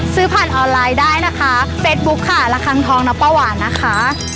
ซื้อผ่านออนไลน์ได้นะคะเฟสบุ๊คค่ะระคังทองนะป้าหวานนะคะ